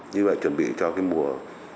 như vậy chuẩn bị cho cái mùa